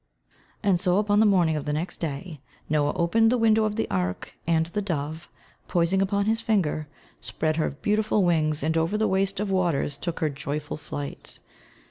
And so upon the morning of the next day Noah opened the window of the ark and, the dove, poising upon his finger, spread her beautiful wings and over the waste of waters took her joyful flight.